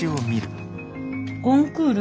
コンクール？